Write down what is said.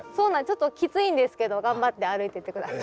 ちょっときついんですけど頑張って歩いてって下さい。